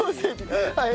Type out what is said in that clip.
はい。